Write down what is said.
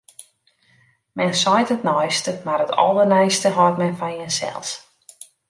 Men seit it neiste, mar it alderneiste hâldt men foar jinsels.